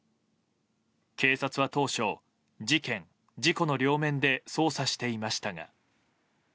警察は当初、事件・事故の両面で捜査していましたが。